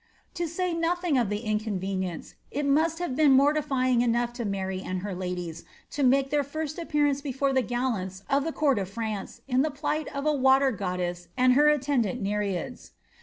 To say nothing of the inconvenience, it must have been o ^ing enough to Mary and her ladies to make their first appearand fore the gaSants ot the court of France in the plight of a water go< and her attendant Nereids.